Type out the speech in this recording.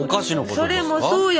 それもそうよ。